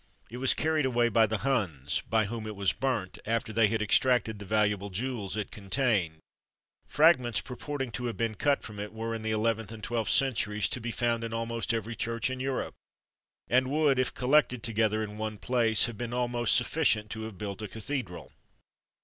It was carried away by the Huns, by whom it was burnt, after they had extracted the valuable jewels it contained. Fragments, purporting to have been cut from it, were, in the eleventh and twelfth centuries, to be found in almost every church in Europe, and would, if collected together in one place, have been almost sufficient to have built a cathedral.